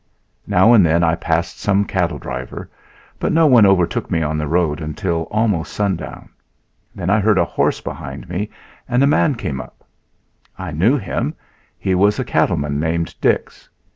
Now and then I passed some cattle driver, but no one overtook me on the road until almost sundown; then I heard a horse behind me and a man came up. I knew him. He was a cattleman named Dix.